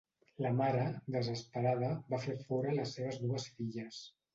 La mare, desesperada, va fer fora les seves dues filles.